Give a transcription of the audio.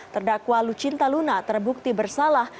terdakwa lucinta luna terbukti bersalah